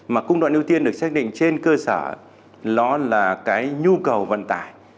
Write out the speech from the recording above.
mà cung đoạn ưu tiên được xác định trên cơ sở nó là cái nhu cầu vận tải